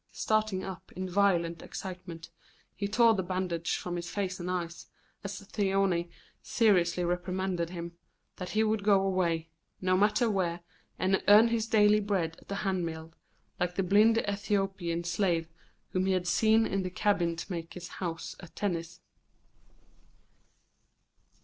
Starting up in violent excitement, he tore the bandage from his face and eyes, declaring, as Thyone seriously reprimanded him, that he would go away, no matter where, and earn his daily bread at the handmill, like the blind Ethiopian slave whom he had seen in the cabinetmaker's house at Tennis.